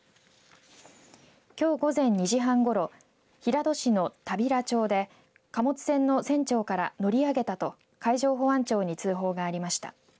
きょう午前２時半ごろ平戸市の田平町で貨物船の船長から乗り上げたと海上保安庁に通報がありました。